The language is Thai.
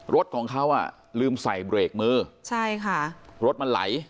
รถของเขาลืมใส่เบรกมือรถมันไหล